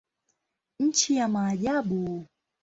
Nchi ya maajabu.